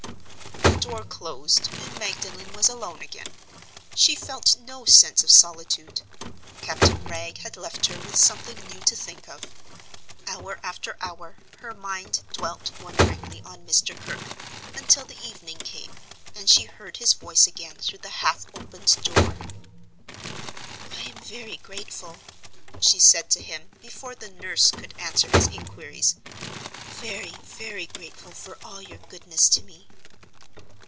The door closed and Magdalen was alone again. She felt no sense of solitude; Captain Wragge had left her with something new to think of. Hour after hour her mind dwelt wonderingly on Mr. Kirke, until the evening came, and she heard his voice again through the half opened door. "I am very grateful," she said to him, before the nurse could answer his inquiries—"very, very grateful for all your goodness to me."